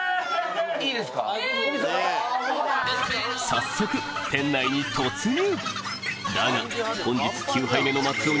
早速店内に突入！